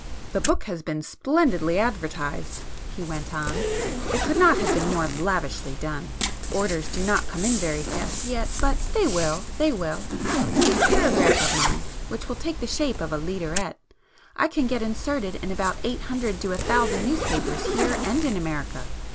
"The book has been splendidly advertised"—he went on; "It could not have been more lavishly done. Orders do not come in very fast yet—but they will,—they will. This paragraph of mine, which will take the shape of a 'leaderette,' I can get inserted in about eight hundred to a thousand newspapers here and in America.